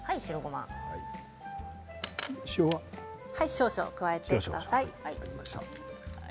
少々加えてください。